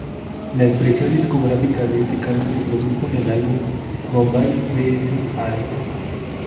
La expresión discográfica de este cambio se produjo con el álbum "Bombay Bs.As.